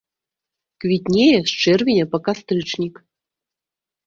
Квітнее з чэрвеня па кастрычнік.